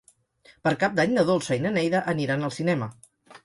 Per Cap d'Any na Dolça i na Neida aniran al cinema.